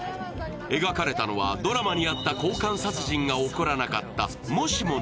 描かれたのはドラマにあった交換殺人が起こらなかったもしもの